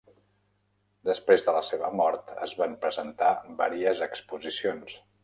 Després de la seva mort es van presentar vàries exposicions.